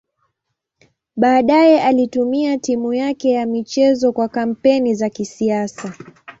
Baadaye alitumia timu yake ya michezo kwa kampeni za kisiasa.